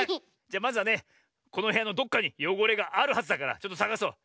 じゃまずはねこのへやのどこかによごれがあるはずだからちょっとさがそう。